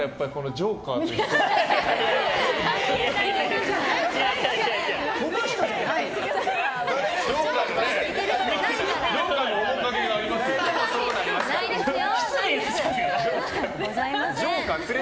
ジョーカーの面影がありますよ。